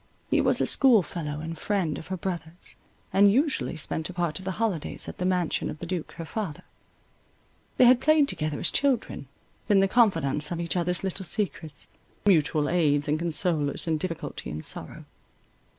He was a schoolfellow and friend of her brother's, and usually spent a part of the holidays at the mansion of the duke her father. They had played together as children, been the confidants of each other's little secrets, mutual aids and consolers in difficulty and sorrow.